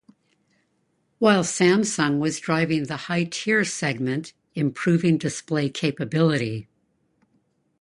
While Samsung was driving the high tier segment improving display capability.